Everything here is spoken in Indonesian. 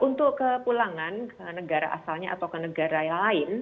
untuk kepulangan ke negara asalnya atau ke negara yang lain